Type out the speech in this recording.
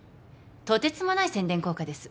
とてつもない宣伝効果です。